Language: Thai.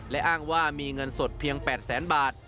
และอ้างว่ามีเงินสดเพียง๘แสนบาท